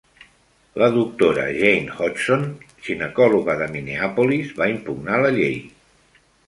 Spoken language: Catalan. La doctora Jane Hodgson, ginecòloga de Minneapolis, va impugnar la llei.